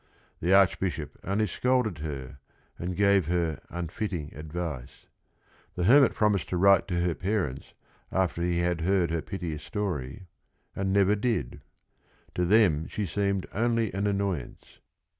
The Archbishop only scolded her and gave her unfitting advice. The hermit promised to write to her parents after he had heard her piteous story, and never did. To them she seemed only an annoyance.